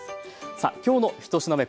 さあ今日の１品目